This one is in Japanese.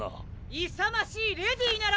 ・いさましいレディーなら！